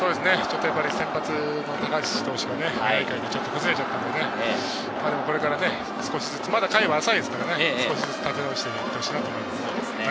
先発の高橋投手がちょっと崩れちゃったのでね、これから少しずつ、まだ回は浅いですから少しずつ立て直して欲しいなと思います。